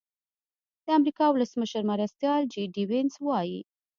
د امریکا د ولسمشر مرستیال جي ډي وینس وايي.